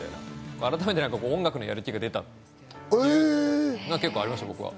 改めて音楽のやる気が出たっていうのが僕はありました。